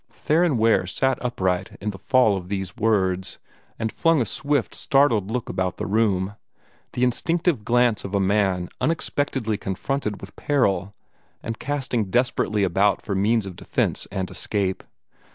Theron Ware sat upright at the fall of these words, and flung a swift, startled look about the room the instinctive glance of a man unexpectedly confronted with peril, and casting desperately about for means of defence and escape.